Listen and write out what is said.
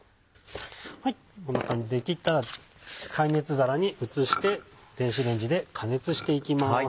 こんな感じで切ったら耐熱皿に移して電子レンジで加熱していきます。